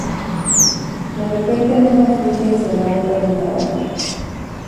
De repente, el humo fluye hacia la boca del cadáver.